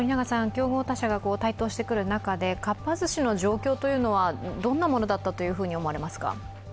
競合他社が台頭してくる中でかっぱ寿司の状況というのは、どんなものだったと思われますか？